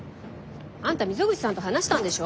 あんた溝口さんと話したんでしょ？